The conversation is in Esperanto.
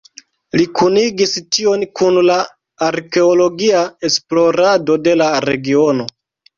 Li kunigis tion kun la arkeologia esplorado de la regiono.